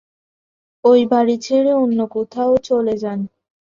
ঐ বাড়ি ছেড়ে অন্য কোথাও চলে যান।